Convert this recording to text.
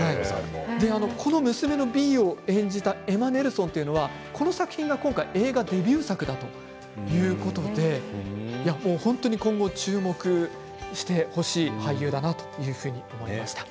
娘のビーを演じたエマ・ネルソンは、この作品が映画デビュー作だということで本当に今後、注目してほしい俳優だなというふうに思いました。